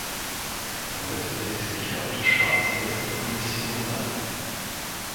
Damit werde ich sicher auf der schwarzen Liste der Kommission landen.